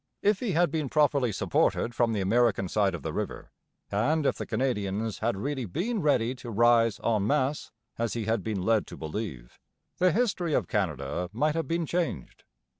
If he had been properly supported from the American side of the river, and if the Canadians had really been ready to rise en masse as he had been led to believe, the history of Canada might have been changed.